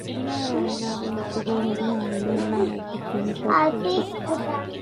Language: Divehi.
މިހާރު އޭނާގެ ހިތުގައި ހުރިހާ މީހުންނާމެދުވެސް ވަނީ ޝައްކު އުފެދިފަ